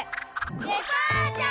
デパーチャー！